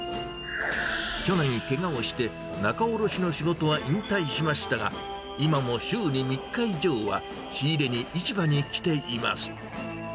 去年けがをして、仲卸の仕事は引退しましたが、今も週に３日以上は、仕入れに市場に来ています。